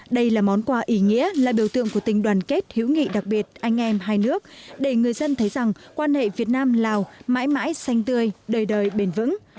đây là món quà ý nghĩa là biểu tượng của tình đoàn kết hữu nghị đặc biệt anh em hai nước để người dân thấy rằng quan hệ việt nam lào mãi mãi xanh tươi đời đời bền vững